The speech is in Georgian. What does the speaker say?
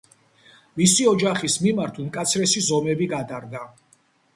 მისი ოჯახის მიმართ უმკაცრესი ზომები გატარდა.